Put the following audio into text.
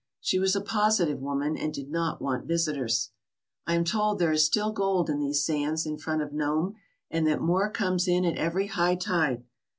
She was a positive woman and did not want visi tors. I am told there is still gold in these sands in front of Nome and that more comes in at every high tide.